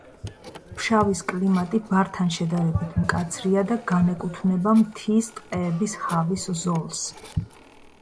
ფშავის კლიმატი ბართან შედარებით მკაცრია და განეკუთვნება მთის ტყეების ჰავის ზოლს.